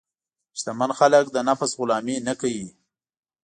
شتمن خلک د نفس غلامي نه کوي.